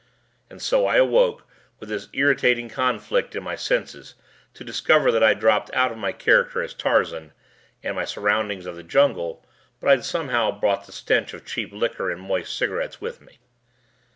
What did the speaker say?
And so I awoke with this irritating conflict in my senses to discover that I'd dropped out of my character as Tarzan and my surroundings of the jungle, but I'd somehow brought the stench of cheap liquor and moist cigarettes with me.